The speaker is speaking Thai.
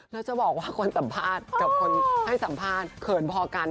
แล้วจะบอกว่าคนสัมภาษณ์กับคนให้สัมภาษณ์